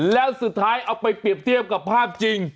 แล้วสุดท้ายเอาไปเปรียบเทียบกับภาพจริง